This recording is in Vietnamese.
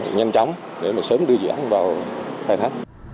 nhanh chóng để sớm đưa dự án vào thay thách